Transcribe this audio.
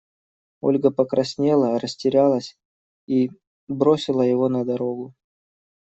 Ольга покраснела, растерялась и… бросила его на дорогу.